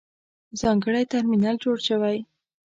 ځانګړی ترمینل جوړ شوی.